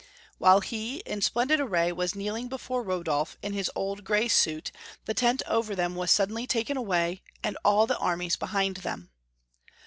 While he, in splendid array, was kneeling before Rodolf in his old grey suit, the tent over them was suddenly taken away, and all the armies behind them.